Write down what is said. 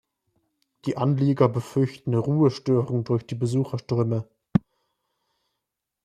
Die Anlieger befürchten Ruhestörung durch die Besucherströme.